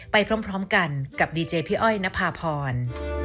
พี่อ้อยณพาพร